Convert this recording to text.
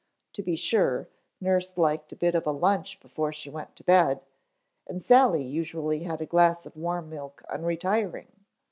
To be sure, nurse liked a bit of a lunch before she went to bed, and Sally usually had a glass of warm milk on retiring.